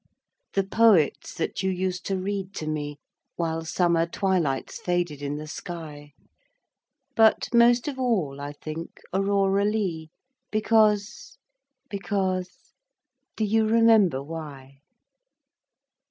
The Poets that you used to read to me While summer twilights faded in the sky; But most of all I think Aurora Leigh, Because because do you remember why?